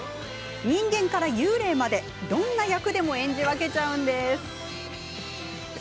人間から幽霊まで、どんな役でも演じ分けちゃうんです。